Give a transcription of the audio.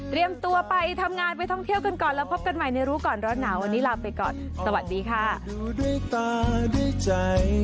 ตัวไปทำงานไปท่องเที่ยวกันก่อนแล้วพบกันใหม่ในรู้ก่อนร้อนหนาววันนี้ลาไปก่อนสวัสดีค่ะ